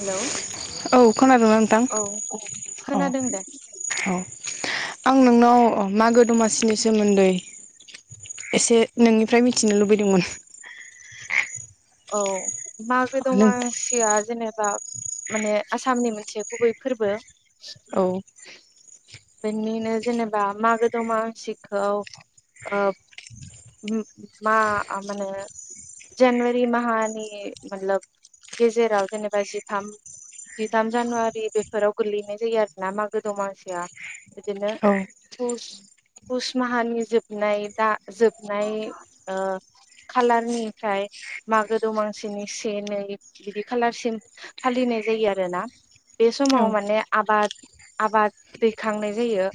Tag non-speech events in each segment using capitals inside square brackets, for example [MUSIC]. Hello औ खोनादोंना नोंथां औ औ खोनादों दे औ आं नोंनाव मागो दमासिनि सोमोन्दै एसे नोंनिफ्राय मिथिनो लुबैदोंमोन । औ मागो दमासिआ जेनेबा बा माने आसामनि मोनसे गुबै फोरबो । औ बेनिनो जेनेबा मागो दमासिखौआव ओ मा मा होनो जानुवारि हारि माहानि मब गेजेराव जेनेबा जिथाम जिथाम जानुवारि बेफोराव गोल्लैनाय जायो आरोना मागो दमासिया बिदिनो औ फुस पुस माहानि जोबनाय दा जोबनाय ओ खालारनिफ्राय मागो दमासिनि से नै बिदि खालारसिम फालिनाय जायो आरोना बे समाव माने आबाद आबाद दैखांनाय जायो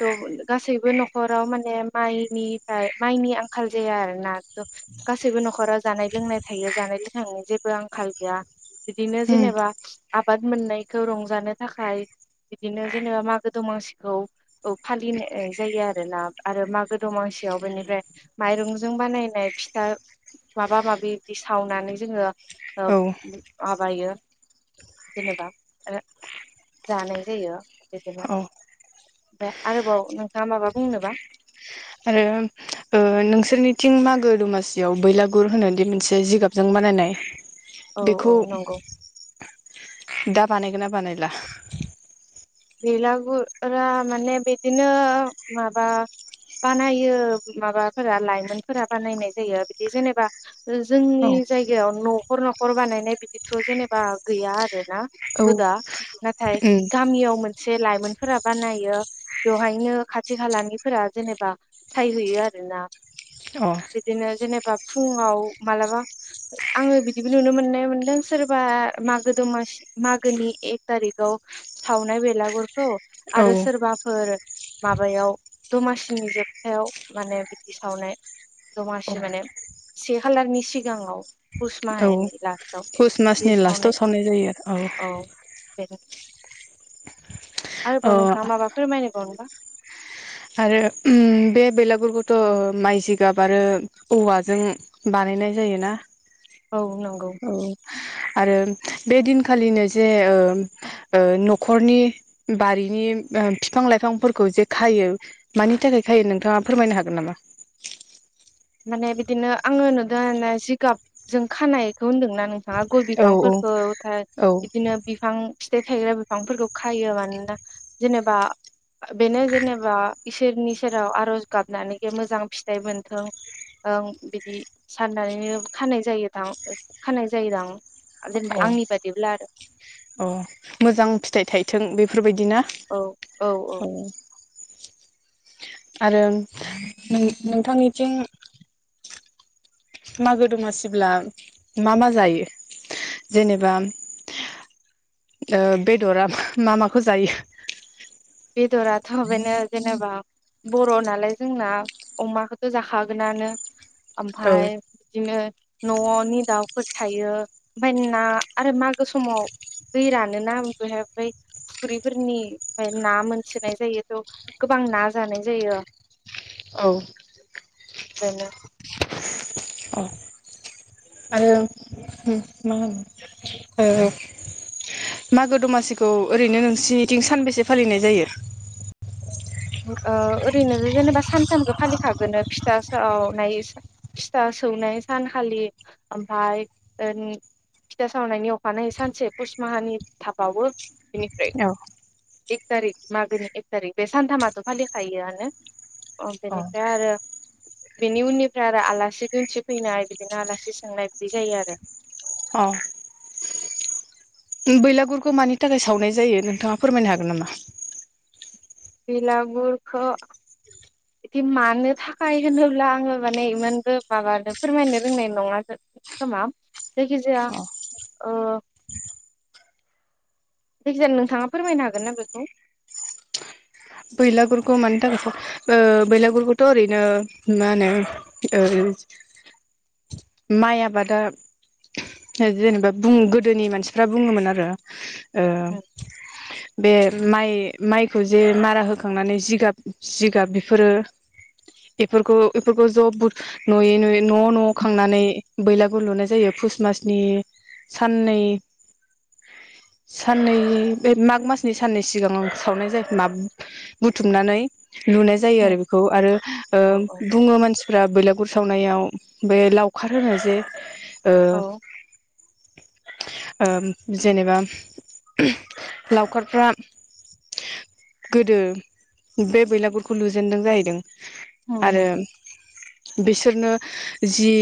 थ गासैबो न'खराव माने माइनिफ्राय माइनि आंखाल जाया आरोना थ गासैबो न'खराव जानाय लोंनाय थायो जानाय लोंनायनि जेबो आंखाल गैया बिदिनो उम जेनेबा आबाद मोननायखौ रंजानो थाखाय बिदिनो जेनेबा मागो दमासिखौ फालिनाय जायो आरोना आरो मागो दमासियाव बेनिफ्राय माइरंजों बानायनाय फिथा माबा माबि बिदि सावनानै जोङो औ माबायो जेनेबा जानाय जायो बिदिनो औ ओमफ्राय आरोबाव नोंथाङा माबा बुंनोबा आरो नोंसोरनिथिं मागो दमासियाव बैलागुर होनोदि मोनसे जिगाबजों बानायनाय औ औ बेखौ नंगौ दा बानायगोन ना बानायला बेलागुरा माने बिदिनो माबा बानायो माबाफोरा लाइमोनफोरा बानायनाय जायो बिदि जेनेबा औ जोंनि जायगायाव न' न'खर न'खर बानायनाय बिदिथ' जेनेबा गैया आरो ना उम हुदा नाथाय गामियाव मोन मोनसे लाइमोनफोरा बानायो बेवहायनो खाथि खालानिफोरा जेनेबा सायहैयो आरोना अ बिदिनो जेनेबा फुङाव मालाबा आङो बिदिबो नुनो मोननाय मोनदों सोरबा मागो दमासि मागोनि एक थारिकाव सावनाय बेल बिलागुरखौ औ आरो सोरबाफोर माबायाव दमासिनि जोबथायाव माने बिदि सावनाय दमासि माने से खालारनि सिगाङाव पुस माहनि लास पुष्ट मासनि लास्टाव सावनाय जायो औ [INAUDIBLE] औ आरोबाव ओ नोंथां माबा फोरमायनायबाव नोबा आरो बे बेलागुरखौथ' माइ जिगाब आरो औवाजों बानायनाय जायोना औ नंगौ आरो बे दिनखालिनो जे न'खरनि बारिनि बिफां लाइफांफोरखौ जे खायो मानि थाखाय खायो नोंथाङा फोरमायनो हागोन नामा? बिदिनो आङो नुदों आरोना जिगाबजों खानायखौ होन्दोंना नों थांङा गय औ बिफांफोरखौ थाय औ बिदिनो बिफां फिथाइ थायग्रा बिफांफोरखौ खायो मानोना जेनेबा बेेनो जेनेबा इसोरनि सेराव आर'ज गाबनानै बे मोजां फिथाइ मोनथों ओं बिदि साननानैनो खानाय जायोदां खानाय जायोदां जेनेबा अ आंनि बादिब्ला आरो अ मोजां फिथाइ थाइथों बे बेफोरबायदि बिदिना औ आरो नोंथांनिथिं मागो दमासिब्ला मा मा जायो जेनेबा बेदरा मा माखौ जायो बेदराथ बेनो जेनेबा बर' नालाय जोंना अमाखौथ' जाखागोनानो औ ओमफ्राय बिदिनो न'नि दाउफोर थायो ओमफाय ना आरो मागो समाव दै रानोना बेहाय ओमफ्राय फुख्रिफोरनिफ्राय ना मोनथिनाय जायोथ' गोबां ना जानाय जायो औ बेनो अ आरो मा होनो मागो दमासिखौ ओरैनो नोंसिनिथिं सानबेसे फालिनाय जायो ओ ओरैनो जेनेबा सानथामखौ फालिखागोननो फिथा सावनाय फिथा सौनाय सानखालि ओमफ्राय फिथा सावनायनि अखानायै सानसे पुस माहानि थाबावो । औ एक थारिक मागोनि एक थारिक बे सानथामा फालिखायोआनो बेनिफ्राय आरो बेनि उननिफ्राय आरो आलासि दोनसि फैनाय बिदिनो आलासि सोंनाय बिदि जायो आरो । औ बैलागुरखौ मानि थाखाय सावनाय जायो नोंथाङा फोरमायनो हागोन नामा? बिलागुरखौ बिदि मानो थाखाय होनोब्ला आङो माने इमोनबो माबानो फोरमायनो रोंनाय नङा खोमा जायखिजाया जायखिजाया नोंथाङा फोरमायनो हागोन ना बेखौ । बैलागुरखौ मानि थाखाय बैलागुरखौथ' ओ ओरैनो मा होनो माइ आबादा जेनेबा गोदोनि मानसिफ्रा बुङोमोन आरो । ओ बे माइ माइखौ जे मारा हो खांनानै जिगाब जिगाब बेफोरो बेफोरखौ बेफोरखौ ज' बुर नुयै नुयै न' न' खांनानै बेलागुर लुनाय जायो पुस मासनि साननै साननै बे माग मासनि साननै सिगां सावनाय जायो मा बुथुमनानै नुनाय जायो औ आरो बेखौ आरो ओ औ बुङो मानसिफ्रा बेलागुर सावनायाव बे लावखार होनो जे ओ ओ जेनेबा लावखारफ्रा गोदो बे बेलागुरखौ लुजेनदों जाहैदों । आरो बे सोरनो जि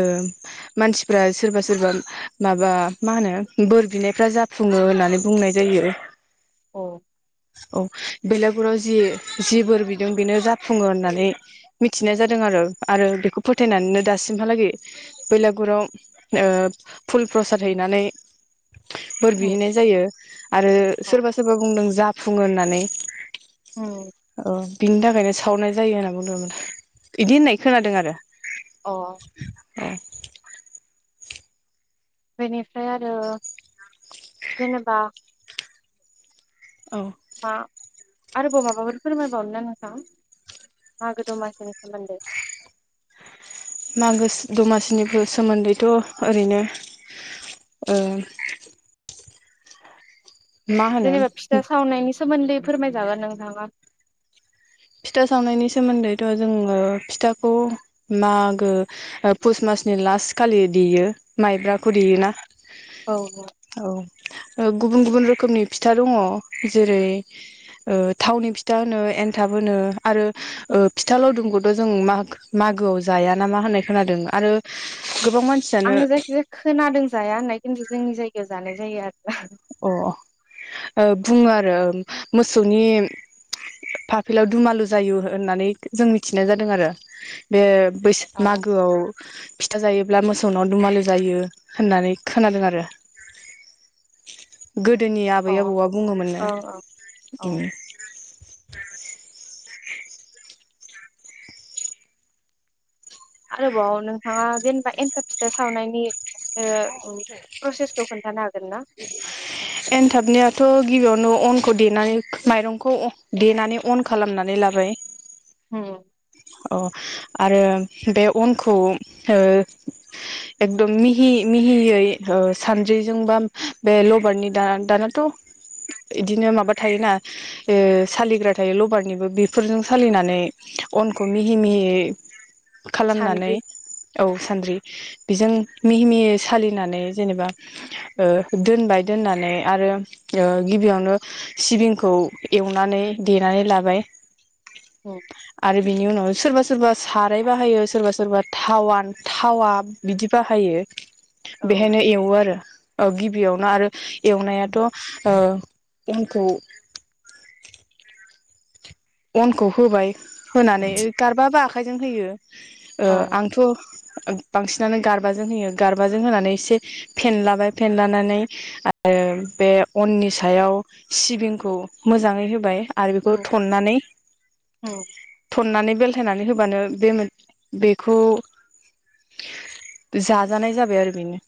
ओ मानसिफ्रा सोरबा सोरबा माबा मा होनो बोर बिनायफ्रा जाफुङो होननानै बुंनाय जायो। औ औ बेलागुराव जि जि बोर बिदों बेनो जाफुङो होननानै मिथिनाय जादों आरो आरो बेखौ फोथायनानैनो दासिमहालागै बेलागुराव ओ फुल प्रसाद हैनानै बोर बिहैनाय जायो आरो सोरबा सोरबा बुंदों जा फुङो होननानै औ अ बिनि थाखायनो साव सावनाय जायो होनना बुंदोंमोन बिदि होननाय खोनादों आरो । अ बेनिफ्राय आरो जेनेबा औ मा आरोबाव माबाफोर फोरमायबावनो ना नोंथां मागो दमासिनि सोमोन्दै? मागो दमासिनिबो सोमोन्दैथ' ओरैनो ओ मा होनो जेनेबा फिथा सावनायनि सोमोन्दै फोरमायजागोन नोंथाङा । फिथा सावनायनि सोमोन्दैथ' जोङो फिथाखौ मागो पुस मासनि लास्ट खालि देयो माइब्राखौ देयोना? औ औ औ ओ गुबुन गुबुन रोखोमनि फिथा दङ जेरै थावनि फिथा होनो एन थाबोनो आरो ओ फिथा लावदुमखौथ' जों म मागोआव जाया नामा होननाय खोनादों आरो । आंनो जायखिजाया खोनादों जाया होननाय खिन्थु जोंनि जायगायाव जानाय जायो आरो अ बुङो आरो मोसौनि फाफ्लियाव दुमालु जायो होननानै जों मिथिनाय जादों आरो बे बैसाग औ मागोआव फिथा जायोब्ला मोसौनाव दुमालु जायो होननानै खोनादों आरो। गोदोनि आबै औ आबौआ बुङोमोननो ओं ओं औ उम। आरोबाव नोंथाङा जेनेबा एन्थाब फिथा सावनायनि ओ। प्रसेसखौ खोन्थानो हागोन ना एन्थाबनियाथ' गिबियावनो अन खौ देनानै माइरंखौ देनानै अन खालामनानै लाबाय। उम। अ आरो बे अनखौ एकदम मिहि मिहियै सानद्रिजों बा बे लबारनि दा दानाथ' बिदिनो माबा थायोना सालिग्रा थायो लबारनिबो बेफोरजों सालिनानै। उनखौ मिहि मिहियै खालामनानै सान्द्रि औ सानद्रि बेजों मिहि मिहियै सालिनानै जेनेबा दोनबाय दोननानै आरो गिबियावनो सिबिंखौ एवनानै देनानै लाबाय। औ। आरो बिनि उनाव सोरबा सोरबा साराय बाहायो सोरबा सोरबा थावान थावा बिदि बाहायो। औ बेहायनो एवो आरो बियावनो आरो एवनायाथ' ओ अनखौ अनखौ होबाय होनानै गारबाबा आखाइजों होयो। ओ औ आंथ' बांसिनानो गारबाजों होयो गारबाजों होनानै एसे फेनलाबाय फेनलानानै आरो बे अननि सायाव सिबिंखौ मोजाङै होबाय। आरो बेखौ उम थननानै उम थननानै बेलथायनानै होबानो बे बेखौ जाजानाय जाबाय आरो बेनो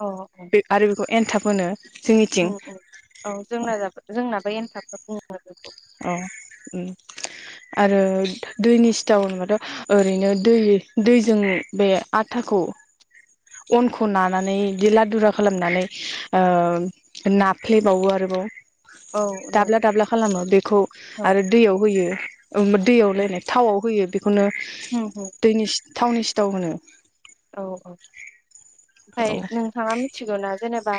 अ बे आरो बेखौ एनथाब होनो औ जोंनिथिं औ जोंना जोंनाबो एनथाब। [INAUDIBLE] औ आरो दैनि सिथाव होनबाथ' ओरैनो दै दैजों बे आथाखौ अनखौ नानानै बिदि लादुरा खालामनानै नाफ्लेबावो आरोबाव। औ दाब्ला नंगौ दाब्ला खालामो बेखौ औ आरो दैयाव होयो दैयाव लायनो थावआव होयो बेखौ खौनो उम उम दैनि थावनि सिथाव होनो। औ औ। [INAUDIBLE] ओमफ्राय नोंथाङा मिथिगौ ना जेनेबा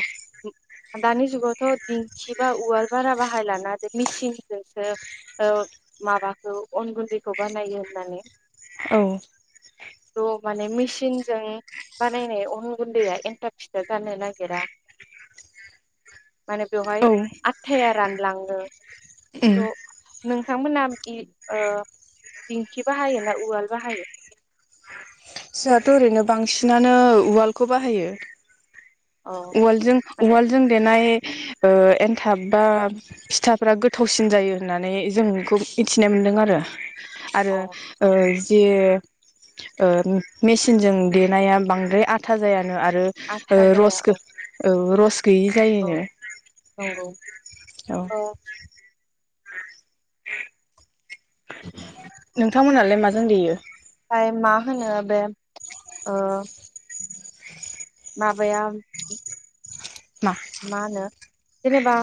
आ दानि जुगावथ' दिंखि बा उवार बारा बा बाहायलाना बे मिसिनजोंसो ओ माबाखौ अन गुनदैखौ बानायो होननानै औ माने मेसिन जों बानायनाय अन गुनदैआ एनथाब फिथा जानो नागिरा । माने बेवहाय औ आथाया रानलाङो । ए नोंथांमोनहा दिंखि बाहायो ना उवाल बाहायो? जोंहाथ' ओरैनो बांसिनानो उवालखौ बाहायो । अ उवालजों माने उवालजों देनाय ओ एनथाब बा फिथाफोरा गोथावसिन जायो होननानै जोंखौ मिथिनो मोनदों आरो । आरो अ ओ जि ओ मेसिनजों देनाया बांद्राय आथा जाया । आरो ओ आथा जाया रस औ औ रस गैयि औ जायनो नंगौ औ नोंथां थांमोनहालाय माजों देयो? ओमफ्राय मा होनो बे ओ माबाया मा होनो? जेनेबा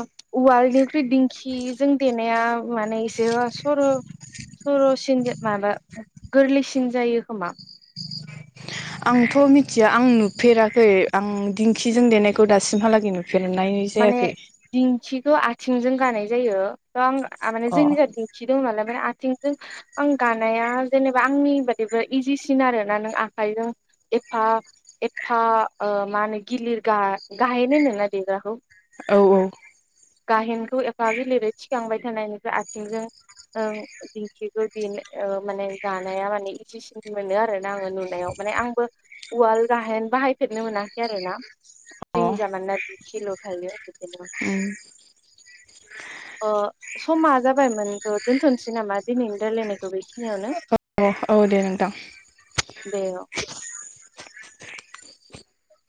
उवालनिख्रुइ दिंखिजों देनाया माने एसे सर' सर'सिन माबा गोरलैसिन जायो खोमा । आंथ' मिथिया आं नुफेराखै आं दिंखिजों देनायखौ दासिमहालागै नुदों । माने दिंखिखौ आथिं थिंजों गानाय जायो । आं माने अ जोंनिजा औ दिंखि दं नालाय । ओमफ्राय आथिंजों आं गानाया जेनेबा आंनि बादिबा इजिसिन आरोना नों आखाइजों एफा एफा ओ मा होनो गिलिर गाहेन होनोना देग्राखौ? औ औ गाहेनखौ एफा गिलिरै थिखांबाय थानायनिफ्राय आथिंजों दिंखिखौ बेनो माने गानाया माने इजिसिन मोनो आरोना आङो नुनायाव माने आंबो उवाल गाहेन बाहायफेरनो मोनाखै आरोना । अ जोंनिजा मानोना खिल' थायो । उम अ समा जाबायमोनथ' दोनथ'नोसै नामा? दिनैनि रायलायनायखौ बेखिनियावनो औ दे नोंथां दे औ । [INAUDIBLE]